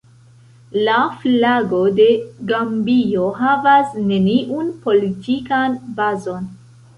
La flago de Gambio havas neniun politikan bazon.